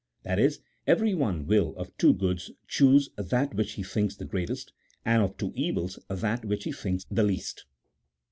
That is, everyone will, of two goods, choose that which he thinks the greatest ; and, of two evils, that which he thinks the least.